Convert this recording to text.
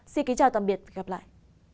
xin kính chào tạm biệt gặp lại